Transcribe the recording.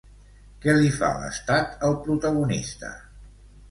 Què li fa l'Estat al protagonista?